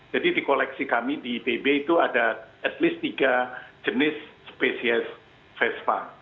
jadi di koleksi kami di bb itu ada at least tiga jenis spesies vespa